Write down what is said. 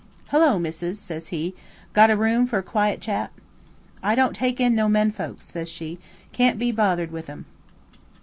"'Hullo, missis,' says he; 'got a room for a quiet chap?' "'I don't take in no men folks,' says she; 'can't be bothered with 'em.'